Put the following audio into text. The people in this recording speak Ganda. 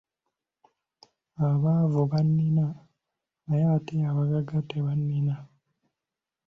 Abaavu bannina naye ate abagagga tebannina.